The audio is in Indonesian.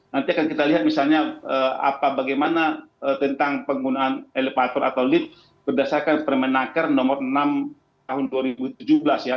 nanti akan kita lihat misalnya apa bagaimana tentang penggunaan elevator atau lift berdasarkan permenaker nomor enam tahun dua ribu tujuh belas ya